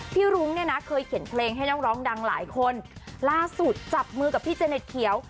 รุ้งเนี่ยนะเคยเขียนเพลงให้น้องร้องดังหลายคนล่าสุดจับมือกับพี่เจเน็ตเขียว